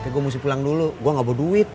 gue mesti pulang dulu gue gak bawa duit